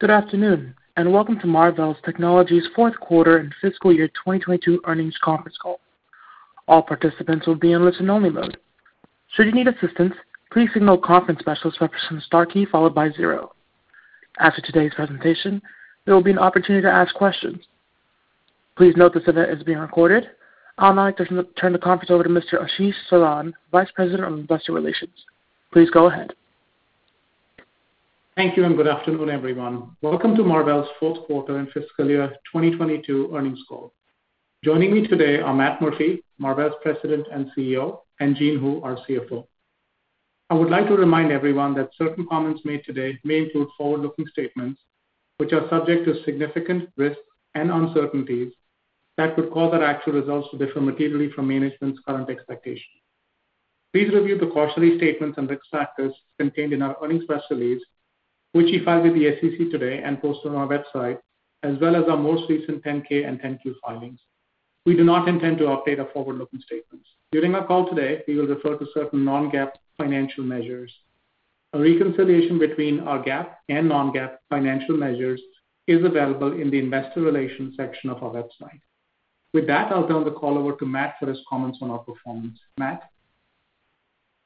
Good afternoon, and welcome to Marvell Technology's fourth quarter and fiscal year 2022 earnings conference call. All participants will be in listen-only mode. Should you need assistance, please signal conference specialist by pressing star key followed by zero. After today's presentation, there will be an opportunity to ask questions. Please note this event is being recorded. I would like to turn the conference over to Mr. Ashish Saran, Vice President of Investor Relations. Please go ahead. Thank you, and good afternoon, everyone. Welcome to Marvell's fourth quarter and fiscal year 2022 earnings call. Joining me today are Matt Murphy, Marvell's Chairman and CEO, and Jean Hu, our CFO. I would like to remind everyone that certain comments made today may include forward-looking statements which are subject to significant risks and uncertainties that could cause our actual results to differ materially from management's current expectations. Please review the cautionary statements and risk factors contained in our earnings press release, which we filed with the SEC today and post on our website, as well as our most recent Form 10-K and Form 10-Q filings. We do not intend to update our forward-looking statements. During our call today, we will refer to certain non-GAAP financial measures. A reconciliation between our GAAP and non-GAAP financial measures is available in the investor relations section of our website. With that, I'll turn the call over to Matt for his comments on our performance. Matt?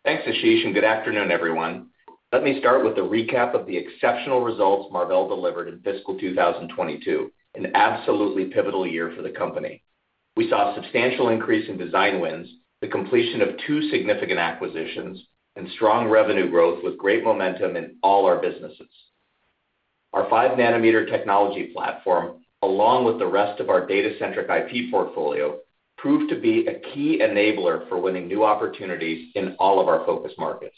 Thanks, Ashish, and good afternoon, everyone. Let me start with a recap of the exceptional results Marvell delivered in fiscal 2022, an absolutely pivotal year for the company. We saw a substantial increase in design wins, the completion of two significant acquisitions and strong revenue growth with great momentum in all our businesses. Our 5 nm technology platform, along with the rest of our data-centric IP portfolio, proved to be a key enabler for winning new opportunities in all of our focus markets.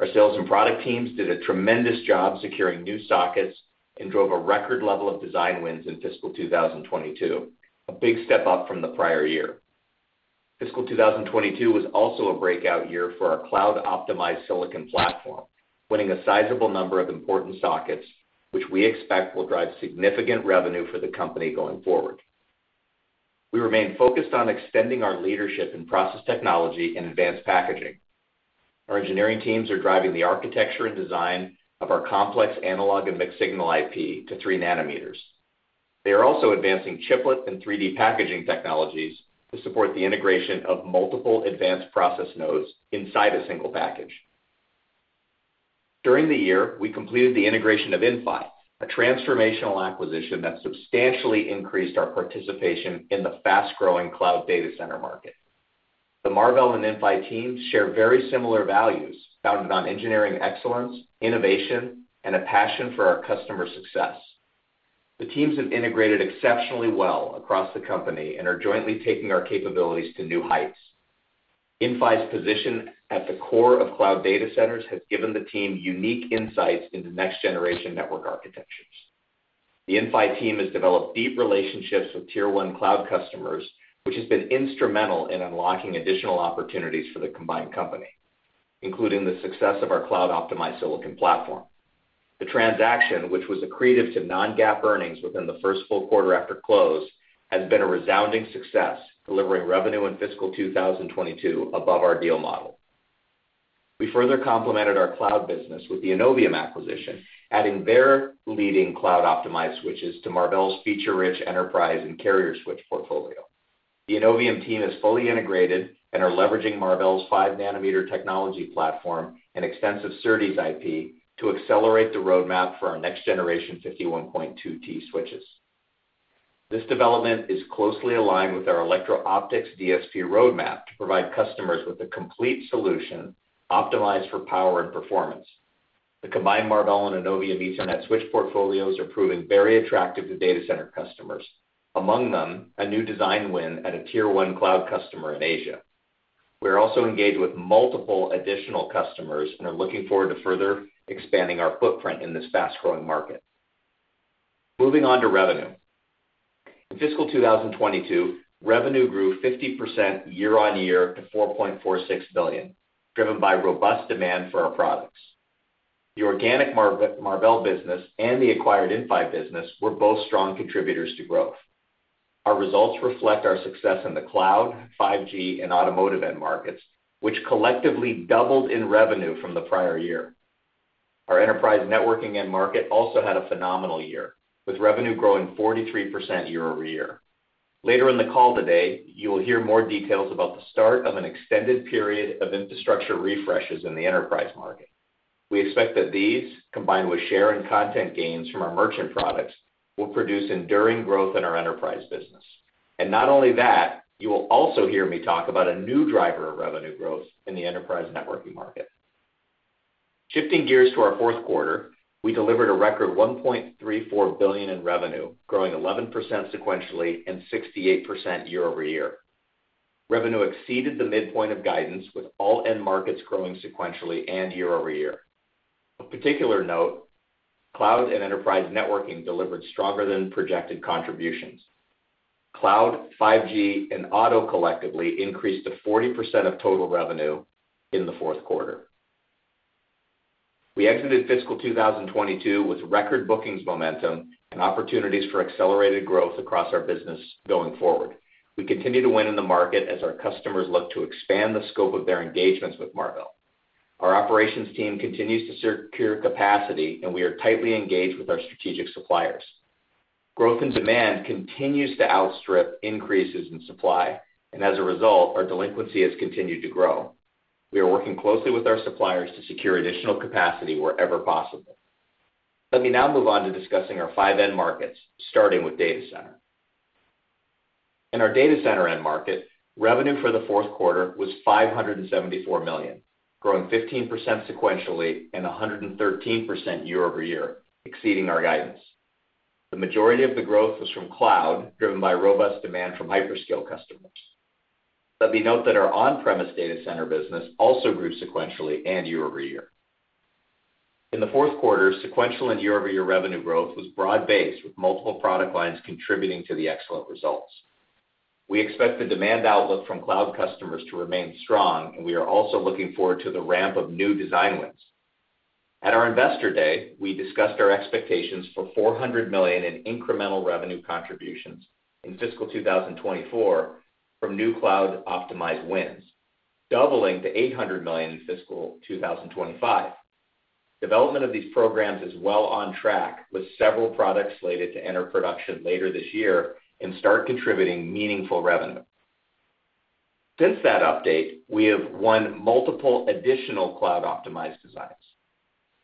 Our sales and product teams did a tremendous job securing new sockets and drove a record level of design wins in fiscal 2022, a big step up from the prior year. Fiscal 2022 was also a breakout year for our cloud optimized silicon platform, winning a sizable number of important sockets, which we expect will drive significant revenue for the company going forward. We remain focused on extending our leadership in process technology and advanced packaging. Our engineering teams are driving the architecture and design of our complex analog and mixed signal IP to 3 nm. They are also advancing chiplet and 3D packaging technologies to support the integration of multiple advanced process nodes inside a single package. During the year, we completed the integration of Inphi, a transformational acquisition that substantially increased our participation in the fast-growing cloud data center market. The Marvell and Inphi teams share very similar values founded on engineering excellence, innovation, and a passion for our customer success. The teams have integrated exceptionally well across the company and are jointly taking our capabilities to new heights. Inphi's position at the core of cloud data centers has given the team unique insights into next generation network architectures. The Inphi team has developed deep relationships with tier one cloud customers, which has been instrumental in unlocking additional opportunities for the combined company, including the success of our cloud optimized silicon platform. The transaction, which was accretive to non-GAAP earnings within the first full quarter after close, has been a resounding success, delivering revenue in fiscal 2022 above our deal model. We further complemented our cloud business with the Innovium acquisition, adding their leading cloud optimized switches to Marvell's feature-rich enterprise and carrier switch portfolio. The Innovium team is fully integrated and are leveraging Marvell's 5 nm technology platform and extensive SerDes IP to accelerate the roadmap for our next generation 51.2 T switches. This development is closely aligned with our electro-optics DSP roadmap to provide customers with a complete solution optimized for power and performance. The combined Marvell and Innovium Ethernet switch portfolios are proving very attractive to data center customers. Among them, a new design win at a tier one cloud customer in Asia. We are also engaged with multiple additional customers and are looking forward to further expanding our footprint in this fast-growing market. Moving on to revenue. In fiscal 2022, revenue grew 50% year-on-year to $4.46 billion, driven by robust demand for our products. The organic Marvell business and the acquired Inphi business were both strong contributors to growth. Our results reflect our success in the cloud, 5G and automotive end markets, which collectively doubled in revenue from the prior year. Our enterprise networking end market also had a phenomenal year, with revenue growing 43% year-over-year. Later in the call today, you will hear more details about the start of an extended period of infrastructure refreshes in the enterprise market. We expect that these, combined with share and content gains from our merchant products, will produce enduring growth in our enterprise business. Not only that, you will also hear me talk about a new driver of revenue growth in the enterprise networking market. Shifting gears to our fourth quarter, we delivered a record $1.34 billion in revenue, growing 11% sequentially and 68% year-over-year. Revenue exceeded the midpoint of guidance with all end markets growing sequentially and year over year. Of particular note, cloud and enterprise networking delivered stronger than projected contributions. Cloud, 5G and auto collectively increased to 40% of total revenue in the fourth quarter. We exited fiscal 2022 with record bookings momentum and opportunities for accelerated growth across our business going forward. We continue to win in the market as our customers look to expand the scope of their engagements with Marvell. Our operations team continues to secure capacity, and we are tightly engaged with our strategic suppliers. Growth in demand continues to outstrip increases in supply, and as a result, our delinquency has continued to grow. We are working closely with our suppliers to secure additional capacity wherever possible. Let me now move on to discussing our five end markets, starting with data center. In our data center end market, revenue for the fourth quarter was $574 million, growing 15% sequentially and 113% year-over-year, exceeding our guidance. The majority of the growth was from cloud, driven by robust demand from hyperscale customers. Let me note that our on-premise data center business also grew sequentially and year-over-year. In the fourth quarter, sequential and year-over-year revenue growth was broad-based, with multiple product lines contributing to the excellent results. We expect the demand outlook from cloud customers to remain strong, and we are also looking forward to the ramp of new design wins. At our Investor Day, we discussed our expectations for $400 million in incremental revenue contributions in fiscal 2024 from new cloud-optimized wins, doubling to $800 million in fiscal 2025. Development of these programs is well on track, with several products slated to enter production later this year and start contributing meaningful revenue. Since that update, we have won multiple additional cloud-optimized designs.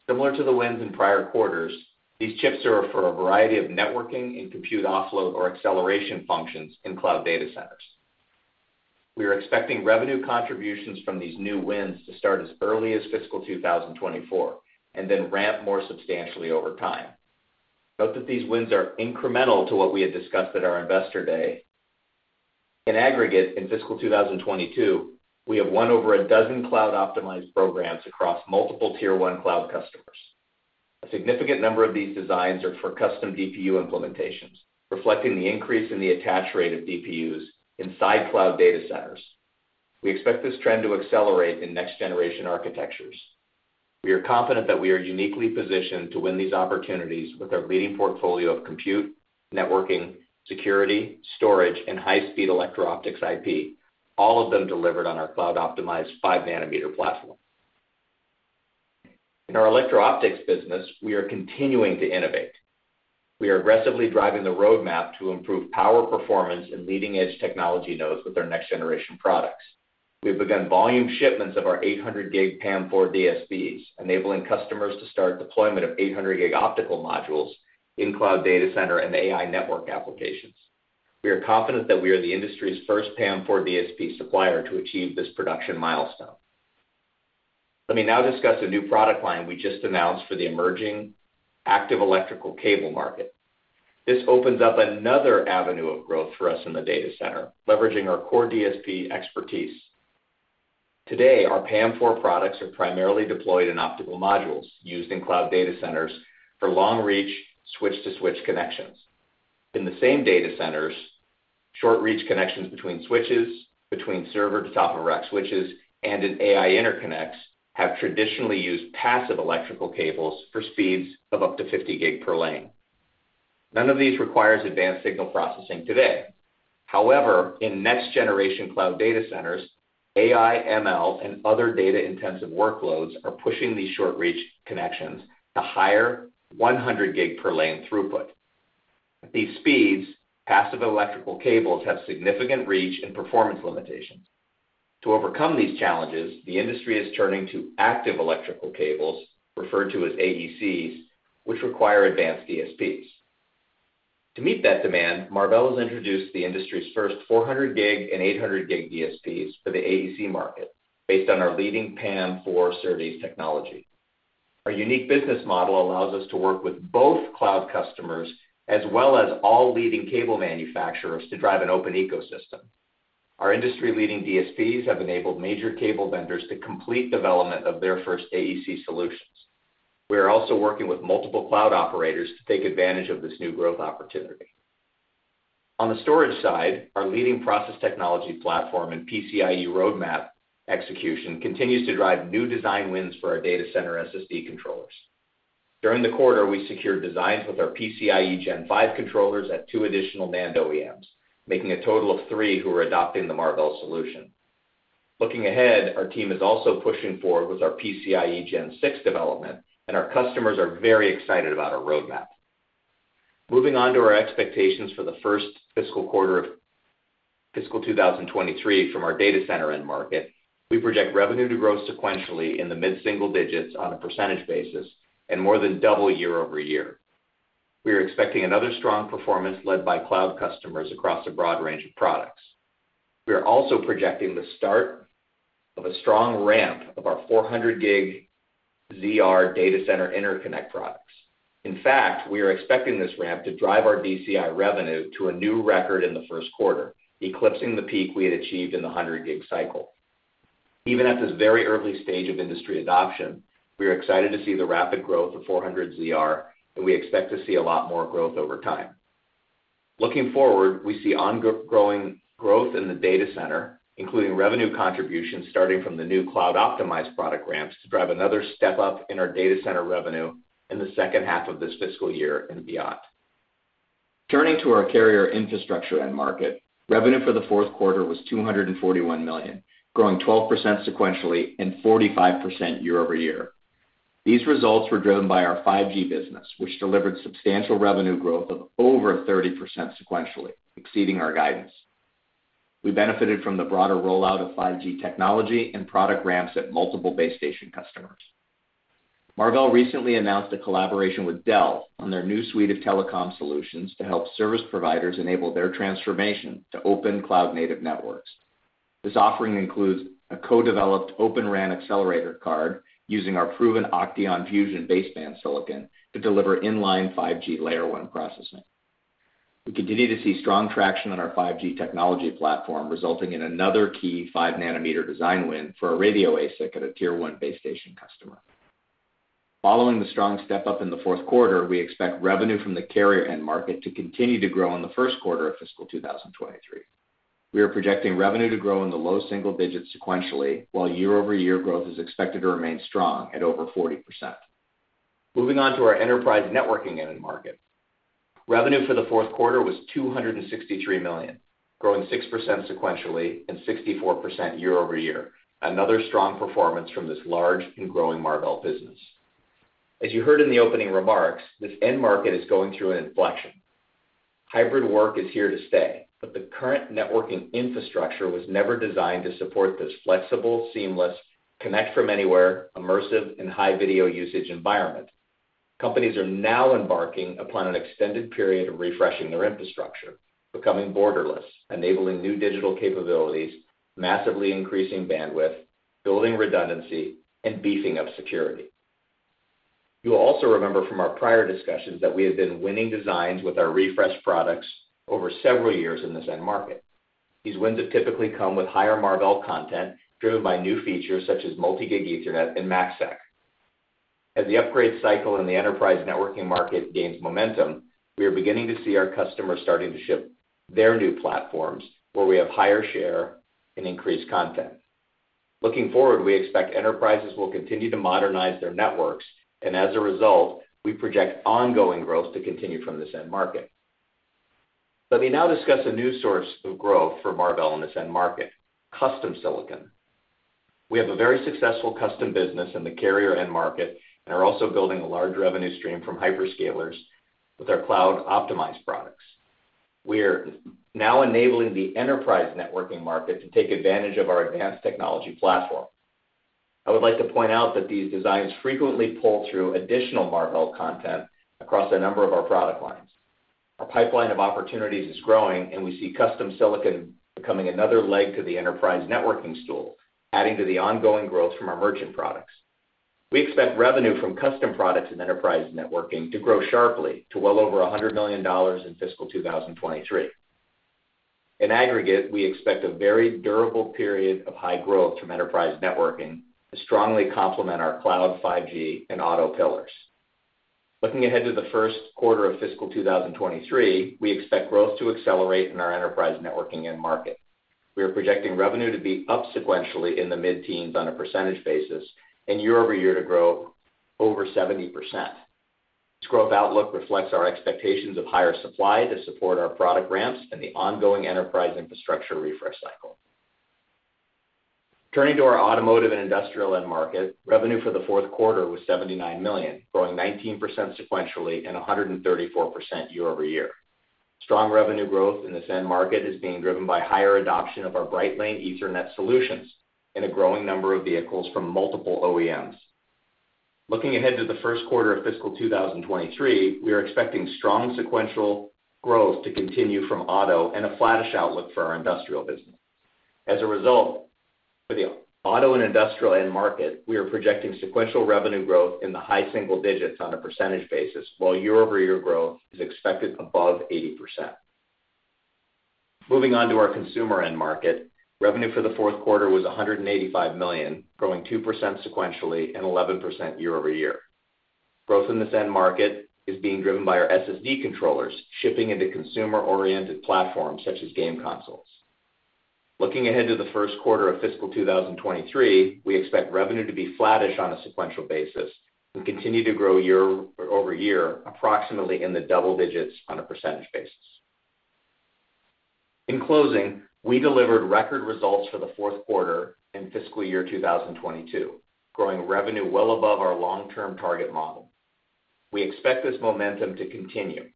Similar to the wins in prior quarters, these chips are for a variety of networking and compute offload or acceleration functions in cloud data centers. We are expecting revenue contributions from these new wins to start as early as fiscal 2024 and then ramp more substantially over time. Note that these wins are incremental to what we had discussed at our Investor Day. In aggregate, in fiscal 2022, we have won over a dozen cloud-optimized programs across multiple tier one cloud customers. A significant number of these designs are for custom DPU implementations, reflecting the increase in the attach rate of DPUs inside cloud data centers. We expect this trend to accelerate in next-generation architectures. We are confident that we are uniquely positioned to win these opportunities with our leading portfolio of compute, networking, security, storage, and high-speed electro-optics IP, all of them delivered on our cloud-optimized 5 nm platform. In our electro-optics business, we are continuing to innovate. We are aggressively driving the roadmap to improve power performance in leading-edge technology nodes with our next-generation products. We have begun volume shipments of our 800G PAM4 DSPs, enabling customers to start deployment of 800G optical modules in cloud data center and AI network applications. We are confident that we are the industry's first PAM4 DSP supplier to achieve this production milestone. Let me now discuss a new product line we just announced for the emerging active electrical cable market. This opens up another avenue of growth for us in the data center, leveraging our core DSP expertise. Today, our PAM4 products are primarily deployed in optical modules used in cloud data centers for long reach, switch-to-switch connections. In the same data centers, short-reach connections between switches, between server to top-of-rack switches, and in AI interconnects have traditionally used passive electrical cables for speeds of up to 50 gig per lane. None of these requires advanced signal processing today. However, in next-generation cloud data centers, AI, ML, and other data-intensive workloads are pushing these short-reach connections to higher 100 gig per lane throughput. At these speeds, passive electrical cables have significant reach and performance limitations. To overcome these challenges, the industry is turning to active electrical cables, referred to as AECs, which require advanced DSPs. To meet that demand, Marvell has introduced the industry's first 400 gig and 800 gig DSPs for the AEC market based on our leading PAM4 SerDes technology. Our unique business model allows us to work with both cloud customers as well as all leading cable manufacturers to drive an open ecosystem. Our industry-leading DSPs have enabled major cable vendors to complete development of their first AEC solutions. We are also working with multiple cloud operators to take advantage of this new growth opportunity. On the storage side, our leading process technology platform and PCIe roadmap execution continues to drive new design wins for our data center SSD controllers. During the quarter, we secured designs with our PCIe Gen 5 controllers at two additional NAND OEMs, making a total of three who are adopting the Marvell solution. Looking ahead, our team is also pushing forward with our PCIe Gen 6 development, and our customers are very excited about our roadmap. Moving on to our expectations for the first fiscal quarter of fiscal 2023 from our data center end market, we project revenue to grow sequentially in the mid-single digits on a percentage basis and more than double year-over-year. We are expecting another strong performance led by cloud customers across a broad range of products. We are also projecting the start of a strong ramp of our 400G ZR data center interconnect products. In fact, we are expecting this ramp to drive our DCI revenue to a new record in the first quarter, eclipsing the peak we had achieved in the 100G cycle. Even at this very early stage of industry adoption, we are excited to see the rapid growth of 400G ZR, and we expect to see a lot more growth over time. Looking forward, we see growing growth in the data center, including revenue contributions starting from the new cloud-optimized product ramps to drive another step-up in our data center revenue in the second half of this fiscal year and beyond. Turning to our carrier infrastructure end market, revenue for the fourth quarter was $241 million, growing 12% sequentially and 45% year-over-year. These results were driven by our 5G business, which delivered substantial revenue growth of over 30% sequentially, exceeding our guidance. We benefited from the broader rollout of 5G technology and product ramps at multiple base station customers. Marvell recently announced a collaboration with Dell on their new suite of telecom solutions to help service providers enable their transformation to open cloud-native networks. This offering includes a co-developed Open RAN accelerator card using our proven OCTEON Fusion baseband silicon to deliver inline 5G layer one processing. We continue to see strong traction on our 5G technology platform, resulting in another key 5 nm design win for a radio ASIC at a tier one base station customer. Following the strong step up in the fourth quarter, we expect revenue from the carrier end market to continue to grow in the first quarter of fiscal 2023. We are projecting revenue to grow in the low single digits sequentially, while year-over-year growth is expected to remain strong at over 40%. Moving on to our enterprise networking end market. Revenue for the fourth quarter was $263 million, growing 6% sequentially and 64% year-over-year, another strong performance from this large and growing Marvell business. As you heard in the opening remarks, this end market is going through an inflection. Hybrid work is here to stay, but the current networking infrastructure was never designed to support this flexible, seamless, connect from anywhere, immersive and high video usage environment. Companies are now embarking upon an extended period of refreshing their infrastructure, becoming borderless, enabling new digital capabilities, massively increasing bandwidth, building redundancy and beefing up security. You'll also remember from our prior discussions that we have been winning designs with our refresh products over several years in this end market. These wins have typically come with higher Marvell content driven by new features such as multi-gig Ethernet and MACsec. As the upgrade cycle in the enterprise networking market gains momentum, we are beginning to see our customers starting to ship their new platforms where we have higher share and increased content. Looking forward, we expect enterprises will continue to modernize their networks, and as a result, we project ongoing growth to continue from this end market. Let me now discuss a new source of growth for Marvell in this end market, custom silicon. We have a very successful custom business in the carrier end market and are also building a large revenue stream from hyperscalers with our cloud optimized products. We are now enabling the enterprise networking market to take advantage of our advanced technology platform. I would like to point out that these designs frequently pull through additional Marvell content across a number of our product lines. Our pipeline of opportunities is growing, and we see custom silicon becoming another leg to the enterprise networking stool, adding to the ongoing growth from our merchant products. We expect revenue from custom products in enterprise networking to grow sharply to well over $100 million in fiscal 2023. In aggregate, we expect a very durable period of high growth from enterprise networking to strongly complement our cloud, 5G and auto pillars. Looking ahead to the first quarter of fiscal 2023, we expect growth to accelerate in our enterprise networking end market. We are projecting revenue to be up sequentially in the mid-teens on a percentage basis and year-over-year to grow over 70%. This growth outlook reflects our expectations of higher supply to support our product ramps and the ongoing enterprise infrastructure refresh cycle. Turning to our automotive and industrial end market, revenue for the fourth quarter was $79 million, growing 19% sequentially and 134% year-over-year. Strong revenue growth in this end market is being driven by higher adoption of our BrightLane Ethernet solutions in a growing number of vehicles from multiple OEMs. Looking ahead to the first quarter of fiscal 2023, we are expecting strong sequential growth to continue from auto and a flattish outlook for our industrial business. As a result, for the auto and industrial end market, we are projecting sequential revenue growth in the high single digits on a percentage basis, while year-over-year growth is expected above 80%. Moving on to our consumer end market, revenue for the fourth quarter was $185 million, growing 2% sequentially and 11% year-over-year. Growth in this end market is being driven by our SSD controllers shipping into consumer-oriented platforms such as game consoles. Looking ahead to the first quarter of fiscal 2023, we expect revenue to be flattish on a sequential basis and continue to grow year-over-year approximately in the double digits on a percentage basis. In closing, we delivered record results for the fourth quarter in fiscal year 2022, growing revenue well above our long-term target model. We expect this momentum to continue.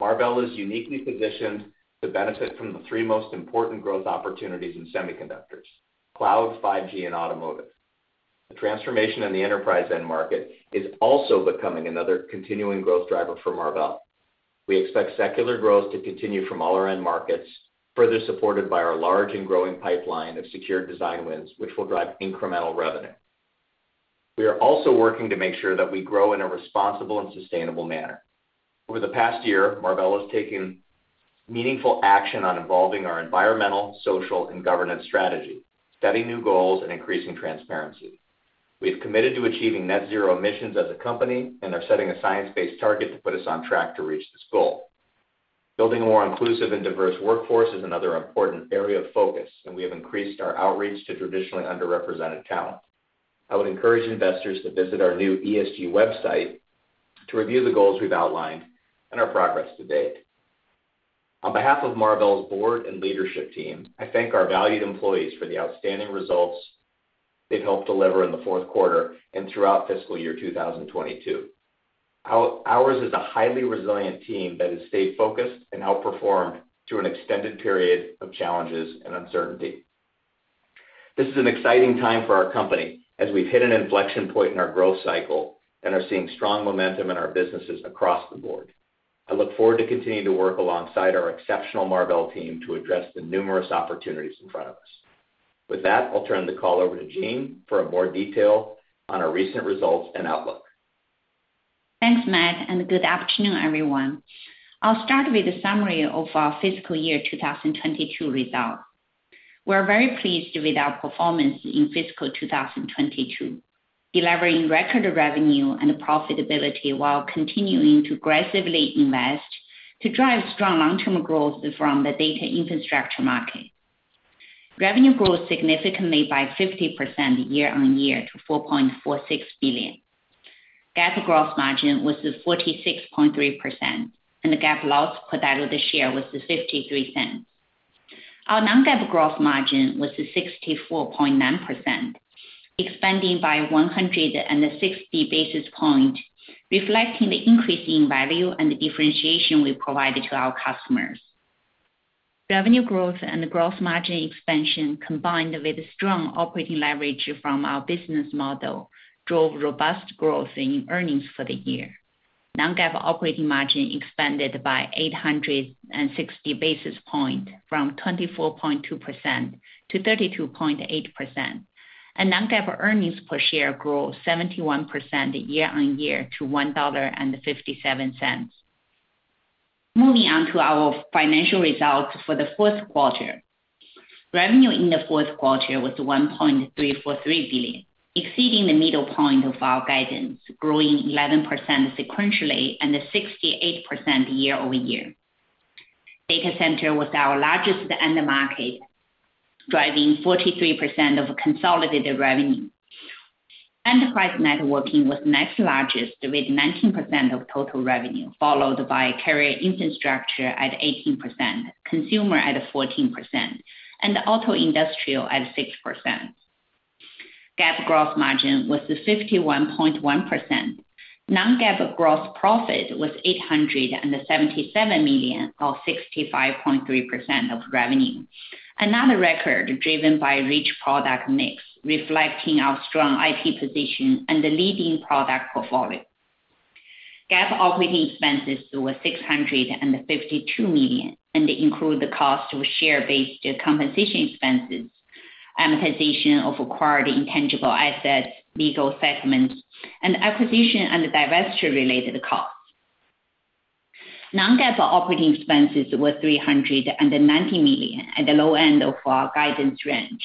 Marvell is uniquely positioned to benefit from the three most important growth opportunities in semiconductors, cloud, 5G and automotive. The transformation in the enterprise end market is also becoming another continuing growth driver for Marvell. We expect secular growth to continue from all our end markets, further supported by our large and growing pipeline of secured design wins, which will drive incremental revenue. We are also working to make sure that we grow in a responsible and sustainable manner. Over the past year, Marvell has taken meaningful action on evolving our environmental, social and governance strategy, setting new goals and increasing transparency. We have committed to achieving net zero emissions as a company and are setting a science-based target to put us on track to reach this goal. Building a more inclusive and diverse workforce is another important area of focus, and we have increased our outreach to traditionally underrepresented talent. I would encourage investors to visit our new ESG website to review the goals we've outlined and our progress to date. On behalf of Marvell's board and leadership team, I thank our valued employees for the outstanding results they've helped deliver in the fourth quarter and throughout fiscal year 2022. Ours is a highly resilient team that has stayed focused and outperformed through an extended period of challenges and uncertainty. This is an exciting time for our company as we've hit an inflection point in our growth cycle and are seeing strong momentum in our businesses across the board. I look forward to continuing to work alongside our exceptional Marvell team to address the numerous opportunities in front of us. With that, I'll turn the call over to Jean for more detail on our recent results and outlook. Thanks, Matt, and good afternoon, everyone. I'll start with a summary of our fiscal year 2022 results. We're very pleased with our performance in fiscal year 2022, delivering record revenue and profitability while continuing to aggressively invest to drive strong long-term growth from the data infrastructure market. Revenue grew significantly by 50% year-on-year to $4.46 billion. GAAP gross margin was 46.3%, and the GAAP loss per diluted share was $0.53. Our non-GAAP gross margin was 64.9%, expanding by 160 basis points, reflecting the increasing value and differentiation we provided to our customers. Revenue growth and gross margin expansion, combined with strong operating leverage from our business model, drove robust growth in earnings for the year. Non-GAAP operating margin expanded by 860 basis points from 24.2% to 32.8%. Non-GAAP earnings per share grew 71% year-over-year to $1.57. Moving on to our financial results for the fourth quarter. Revenue in the fourth quarter was $1.343 billion, exceeding the middle point of our guidance, growing 11% sequentially and 68% year-over-year. Data center was our largest end market, driving 43% of consolidated revenue. Enterprise networking was next largest with 19% of total revenue, followed by carrier infrastructure at 18%, consumer at 14%, and auto industrial at 6%. GAAP gross margin was 51.1%. Non-GAAP gross profit was $877 million, or 65.3% of revenue. Another record driven by rich product mix, reflecting our strong IP position and the leading product portfolio. GAAP operating expenses were $652 million, and they include the cost of share-based compensation expenses, amortization of acquired intangible assets, legal assessments, and acquisition and divestiture-related costs. Non-GAAP operating expenses were $390 million at the low end of our guidance range.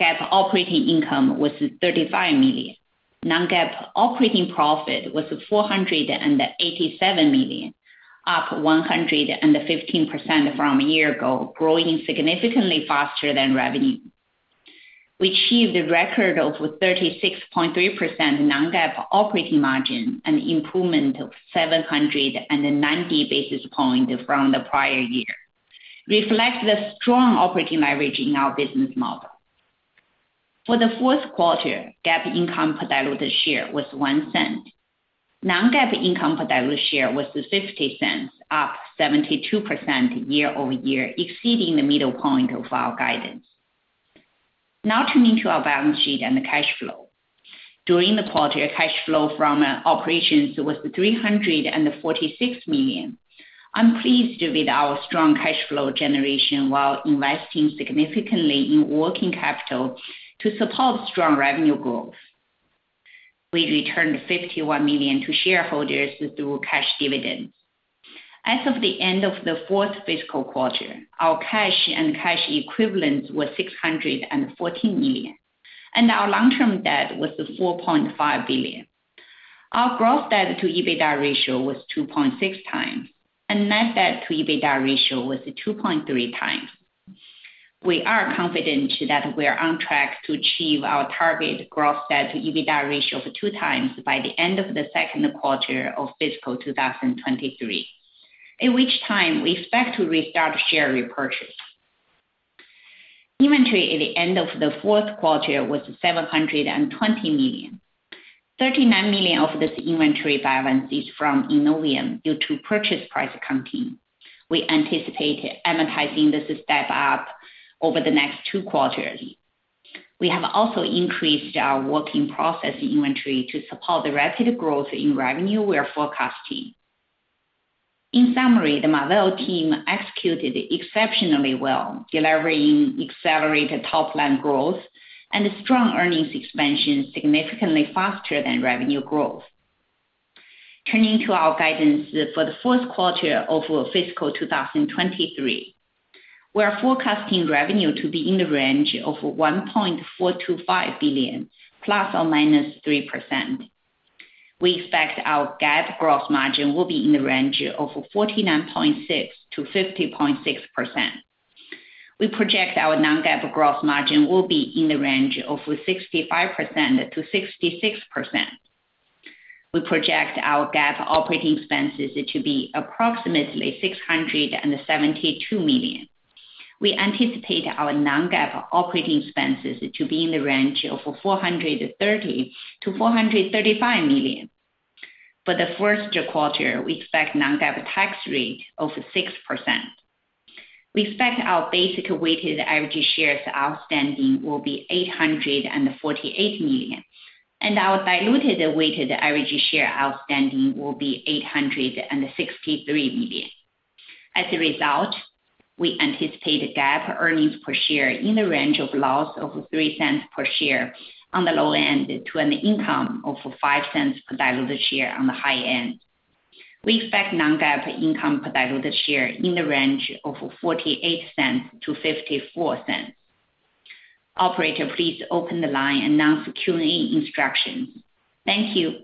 GAAP operating income was $35 million. Non-GAAP operating profit was $487 million, up 115% from a year ago, growing significantly faster than revenue. We achieved a record of 36.3% non-GAAP operating margin, an improvement of 790 basis points from the prior year, reflects the strong operating leverage in our business model. For the fourth quarter, GAAP income per diluted share was $0.01. Non-GAAP income per diluted share was $0.50, up 72% year-over-year, exceeding the middle point of our guidance. Now turning to our balance sheet and the cash flow. During the quarter, cash flow from operations was $346 million. I'm pleased with our strong cash flow generation while investing significantly in working capital to support strong revenue growth. We returned $51 million to shareholders through cash dividends. As of the end of the fourth fiscal quarter, our cash and cash equivalents were $614 million, and our long-term debt was $4.5 billion. Our gross debt to EBITDA ratio was 2.6 times, and net debt to EBITDA ratio was 2.3 times. We are confident that we are on track to achieve our target gross debt to EBITDA ratio of two times by the end of the second quarter of fiscal 2023, at which time we expect to restart share repurchase. Inventory at the end of the fourth quarter was $720 million. $39 million of this inventory balances from Innovium due to purchase price accounting. We anticipate amortizing this step up over the next two quarters. We have also increased our working process inventory to support the rapid growth in revenue we are forecasting. In summary, the Marvell team executed exceptionally well, delivering accelerated top-line growth and strong earnings expansion significantly faster than revenue growth. Turning to our guidance for the fourth quarter of fiscal 2023, we are forecasting revenue to be in the range of $1.425 billion ±3%. We expect our GAAP gross margin will be in the range of 49.6% to 50.6%. We project our non-GAAP gross margin will be in the range of 65% to 66%. We project our GAAP operating expenses to be approximately $672 million. We anticipate our non-GAAP operating expenses to be in the range of $430 million to $435 million. For the first quarter, we expect non-GAAP tax rate of 6%. We expect our basic weighted average shares outstanding will be 848 million, and our diluted weighted average share outstanding will be 863 million. As a result, we anticipate GAAP earnings per share in the range of loss of $0.03 per share on the low end to an income of $0.05 per diluted share on the high end. We expect non-GAAP income per diluted share in the range of $0.48 to $0.54. Operator, please open the line and announce the Q&A instruction. Thank you.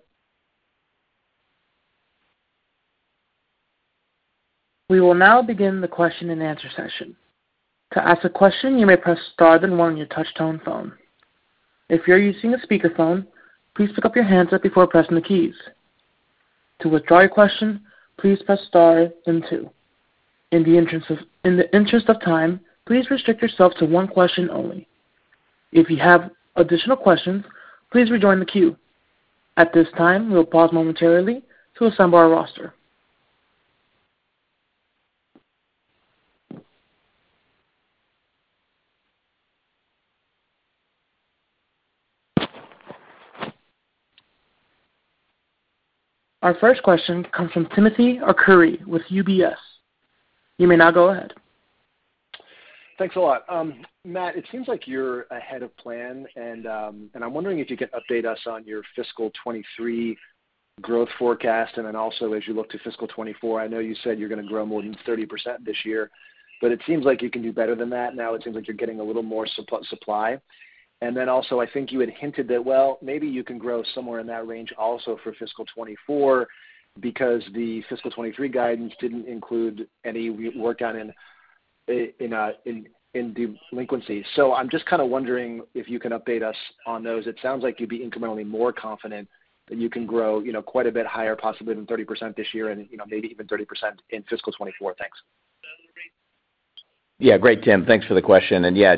We will now begin the question-and-answer session. To ask a question, you may press star then one on your touchtone phone. If you're using a speakerphone, please pick up your handset before pressing the keys. To withdraw your question, please press star then two. In the interest of time, please restrict yourself to one question only. If you have additional questions, please rejoin the queue. At this time, we'll pause momentarily to assemble our roster. Our first question comes from Timothy Arcuri with UBS. You may now go ahead. Thanks a lot. Matt, it seems like you're ahead of plan, and I'm wondering if you could update us on your fiscal 2023 growth forecast and then also as you look to fiscal 2024. I know you said you're gonna grow more than 30% this year, but it seems like you can do better than that. Now it seems like you're getting a little more supply. And then also, I think you had hinted that, well, maybe you can grow somewhere in that range also for fiscal 2024 because the fiscal 2023 guidance didn't include any work down in delinquency. I'm just kinda wondering if you can update us on those. It sounds like you'd be incrementally more confident that you can grow, you know, quite a bit higher, possibly than 30% this year and, you know, maybe even 30% in fiscal 2024. Thanks. Yeah. Great, Tim. Thanks for the question. Yeah,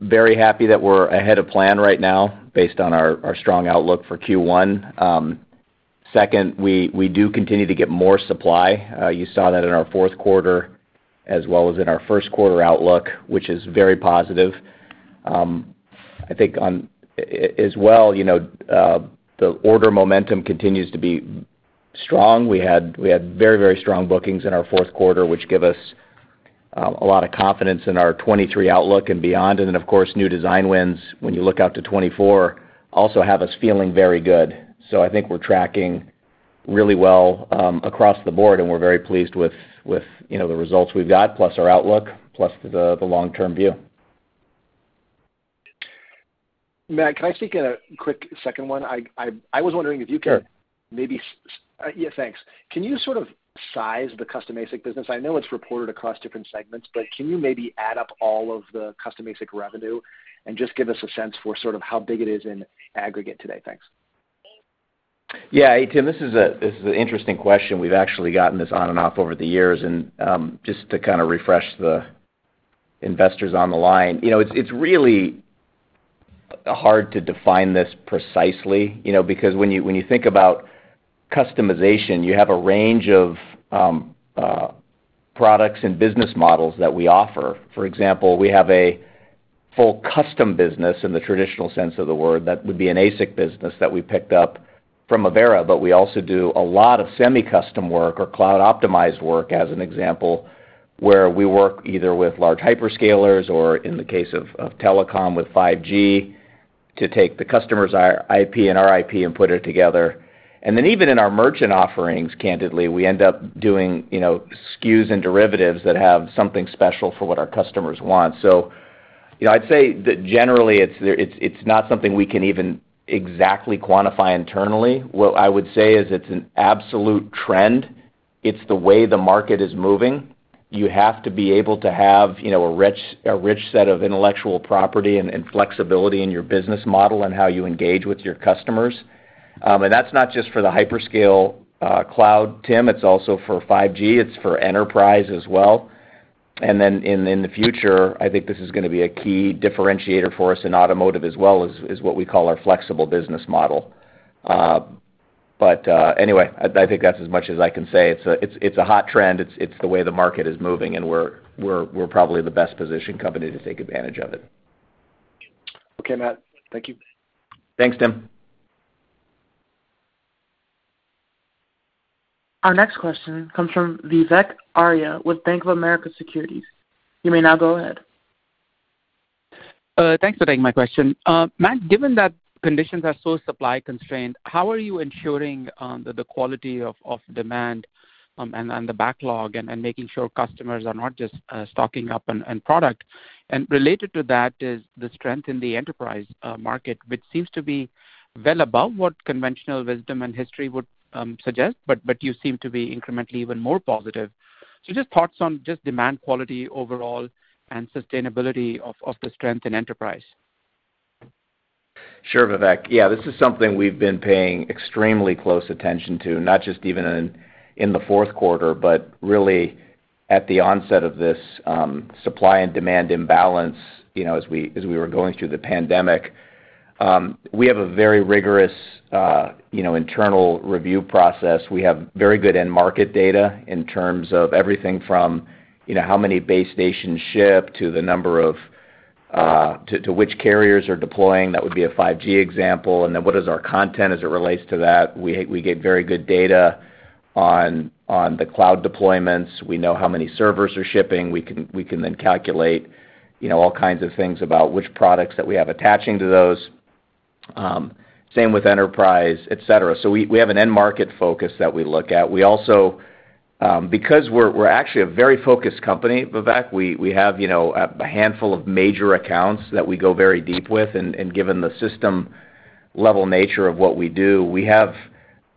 very happy that we're ahead of plan right now based on our strong outlook for Q1. Second, we do continue to get more supply. You saw that in our fourth quarter as well as in our first quarter outlook, which is very positive. I think as well, you know, the order momentum continues to be strong. We had very strong bookings in our fourth quarter, which give us a lot of confidence in our 2023 outlook and beyond. Then, of course, new design wins when you look out to 2024 also have us feeling very good. I think we're tracking really well across the board, and we're very pleased with you know, the results we've got, plus our outlook, plus the long-term view. Matt, can I sneak in a quick second one? I was wondering if you could- Sure. Yeah, thanks. Can you sort of size the custom ASIC business? I know it's reported across different segments, but can you maybe add up all of the custom ASIC revenue and just give us a sense for sort of how big it is in aggregate today? Thanks. Yeah. Tim, this is an interesting question. We've actually gotten this on and off over the years. Just to kind of refresh the investors on the line, you know, it's really hard to define this precisely, you know. Because when you think about customization, you have a range of products and business models that we offer. For example, we have a full custom business in the traditional sense of the word that would be an ASIC business that we picked up from Avera, but we also do a lot of semi-custom work or cloud-optimized work as an example, where we work either with large hyperscalers or in the case of telecom with 5G to take the customer's IP and our IP and put it together. Even in our merchant offerings, candidly, we end up doing, you know, SKUs and derivatives that have something special for what our customers want. You know, I'd say that generally it's not something we can even exactly quantify internally. What I would say is it's an absolute trend. It's the way the market is moving. You have to be able to have, you know, a rich set of intellectual property and flexibility in your business model and how you engage with your customers. That's not just for the hyperscale cloud, Tim. It's also for 5G. It's for enterprise as well. In the future, I think this is gonna be a key differentiator for us in automotive as well, is what we call our flexible business model. Anyway, I think that's as much as I can say. It's a hot trend. It's the way the market is moving, and we're probably the best-positioned company to take advantage of it. Okay, Matt. Thank you. Thanks, Tim. Our next question comes from Vivek Arya with Bank of America Securities. You may now go ahead. Thanks for taking my question. Matt, given that conditions are so supply-constrained, how are you ensuring the quality of demand and the backlog and making sure customers are not just stocking up on end product? Related to that is the strength in the enterprise market, which seems to be well above what conventional wisdom and history would suggest, but you seem to be incrementally even more positive. Just thoughts on demand quality overall and sustainability of the strength in enterprise. Sure, Vivek. Yeah, this is something we've been paying extremely close attention to, not just even in the fourth quarter, but really at the onset of this supply and demand imbalance, you know, as we were going through the pandemic. We have a very rigorous internal review process. We have very good end market data in terms of everything from how many base stations ship to the number of which carriers are deploying. That would be a 5G example. Then what is our content as it relates to that? We get very good data on the cloud deployments. We know how many servers are shipping. We can then calculate all kinds of things about which products that we have attaching to those. Same with enterprise, et cetera. We have an end market focus that we look at. We also, because we're actually a very focused company, Vivek, we have, you know, a handful of major accounts that we go very deep with, and given the system level nature of what we do, we have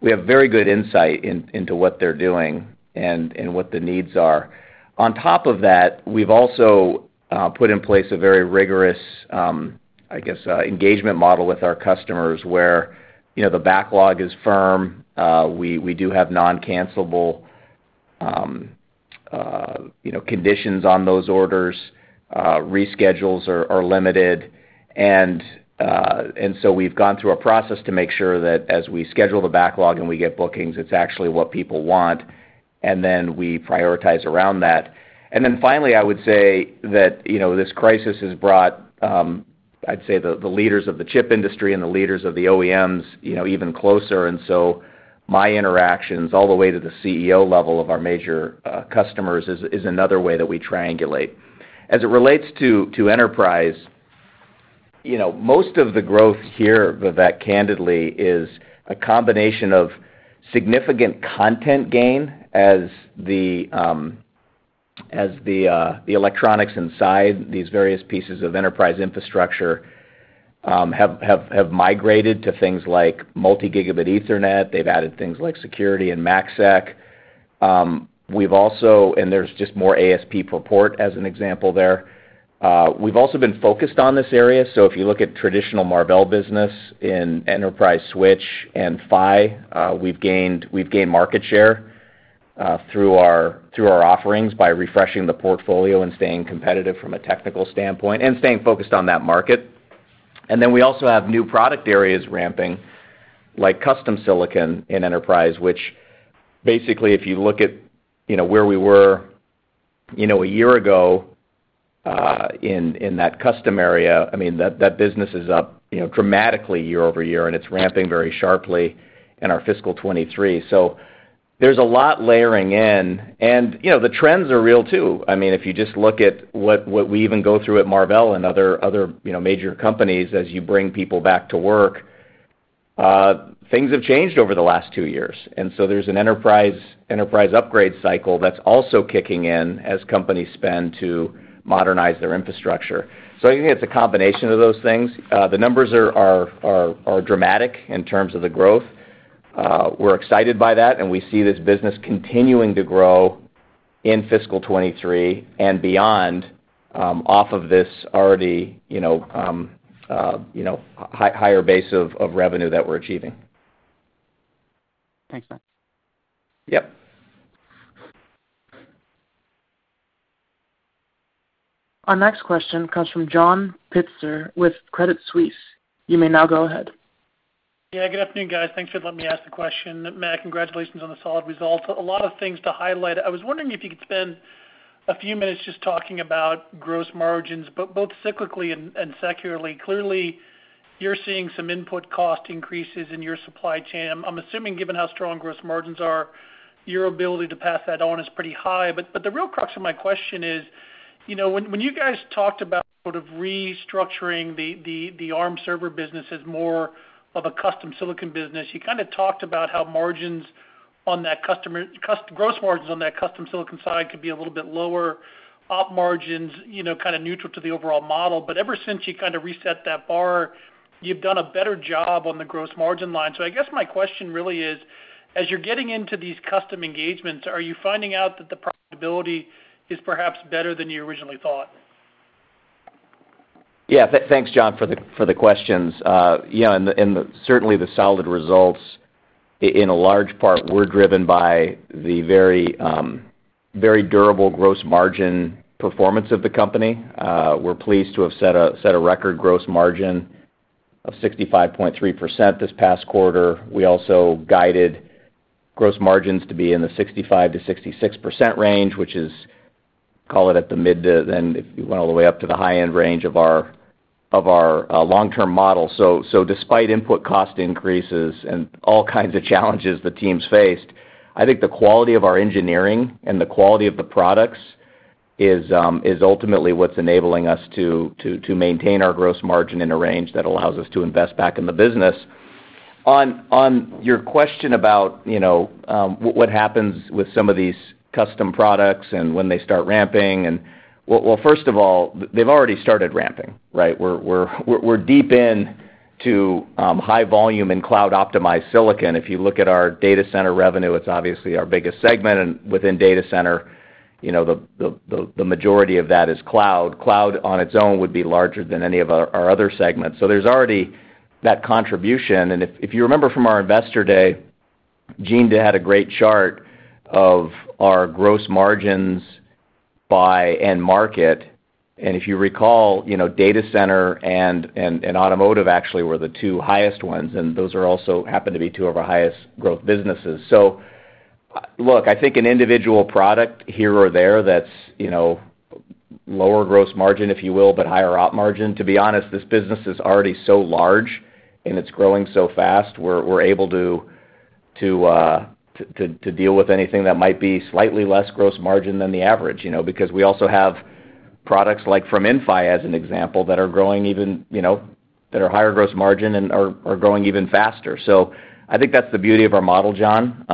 very good insight into what they're doing and what the needs are. On top of that, we've also put in place a very rigorous, I guess, engagement model with our customers where, you know, the backlog is firm. We do have non-cancelable, you know, conditions on those orders. Reschedules are limited. We've gone through a process to make sure that as we schedule the backlog and we get bookings, it's actually what people want, and then we prioritize around that. Then finally, I would say that, you know, this crisis has brought, I'd say the leaders of the chip industry and the leaders of the OEMs, you know, even closer. My interactions all the way to the CEO level of our major customers is another way that we triangulate. As it relates to enterprise, you know, most of the growth here, Vivek, candidly, is a combination of significant content gain as the electronics inside these various pieces of enterprise infrastructure have migrated to things like multi-gigabit Ethernet. They've added things like security and MACsec. There's just more ASP per port as an example there. We've also been focused on this area. If you look at traditional Marvell business in enterprise switch and PHY, we've gained market share through our offerings by refreshing the portfolio and staying competitive from a technical standpoint and staying focused on that market. We also have new product areas ramping like custom silicon in enterprise, which basically, if you look at, you know, where we were, you know, a year ago in that custom area, I mean, that business is up, you know, dramatically year-over-year, and it's ramping very sharply in our fiscal 2023. There's a lot layering in. You know, the trends are real too. I mean, if you just look at what we even go through at Marvell and other you know major companies, as you bring people back to work, things have changed over the last two years. There's an enterprise upgrade cycle that's also kicking in as companies spend to modernize their infrastructure. I think it's a combination of those things. The numbers are dramatic in terms of the growth. We're excited by that, and we see this business continuing to grow in fiscal 2023 and beyond, off of this already you know higher base of revenue that we're achieving. Thanks, Matt. Yep. Our next question comes from John Pitzer with Credit Suisse. You may now go ahead. Yeah, good afternoon, guys. Thanks for letting me ask the question. Matt, congratulations on the solid results. A lot of things to highlight. I was wondering if you could spend a few minutes just talking about gross margins, both cyclically and secularly. Clearly, you're seeing some input cost increases in your supply chain. I'm assuming, given how strong gross margins are, your ability to pass that on is pretty high. But the real crux of my question is, you know, when you guys talked about sort of restructuring the ARM server business as more of a custom silicon business, you kind of talked about how gross margins on that custom silicon side could be a little bit lower, op margins, you know, kind of neutral to the overall model. Ever since you kind of reset that bar, you've done a better job on the gross margin line. I guess my question really is, as you're getting into these custom engagements, are you finding out that the profitability is perhaps better than you originally thought? Yeah. Thanks, John, for the questions. Yeah, certainly, the solid results in a large part were driven by the very durable gross margin performance of the company. We're pleased to have set a record gross margin of 65.3% this past quarter. We also guided gross margins to be in the 65% to 66% range, which is, call it, at the mid- to high-end range of our long-term model. Despite input cost increases and all kinds of challenges the teams faced, I think the quality of our engineering and the quality of the products is ultimately what's enabling us to maintain our gross margin in a range that allows us to invest back in the business. On your question about, you know, what happens with some of these custom products and when they start ramping. Well, first of all, they've already started ramping, right? We're deep into high volume and cloud-optimized silicon. If you look at our data center revenue, it's obviously our biggest segment. Within data center, you know, the majority of that is cloud. Cloud on its own would be larger than any of our other segments. There's already that contribution. If you remember from our investor day, Jean had a great chart of our gross margins by end market. If you recall, you know, data center and automotive actually were the two highest ones, and those also happen to be two of our highest growth businesses. Look, I think an individual product here or there that's, you know, lower gross margin, if you will, but higher op margin. To be honest, this business is already so large, and it's growing so fast. We're able to deal with anything that might be slightly less gross margin than the average, you know, because we also have products like from Inphi, as an example, that are growing even, you know, that are higher gross margin and are growing even faster. I think that's the beauty of our model, John.